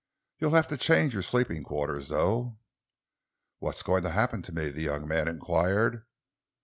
You'll have to change your sleeping quarters, though." "What is going to happen to me?" the young man enquired.